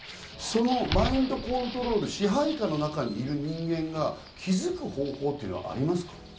そのマインドコントロールの支配下の中にいる人間にとって気づく方法ってありますか？